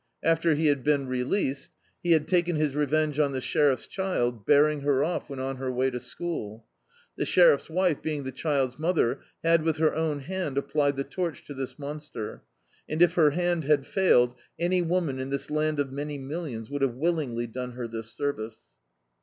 After he had been released, he had taken his revenge on the sheriff's child, bearing her off when on her way to school. The sheriff's wife, being the child's mother, had with her own hand applied the torch to this monster, and if her hand had failed, any woman in this land of noany millirais would have willingly dme her this service.